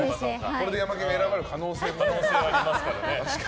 これでヤマケンが選ばれる可能性もありますから。